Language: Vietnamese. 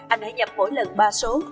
anh hãy nhập mỗi lần ba số